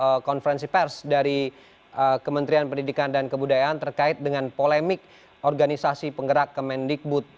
dan juga konfirmasi pers dari kementerian pendidikan dan kebudayaan terkait dengan polemik organisasi penggerak kemendikbud